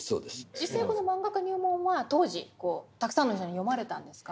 実際この「マンガ家入門」は当時たくさんの人に読まれたんですか？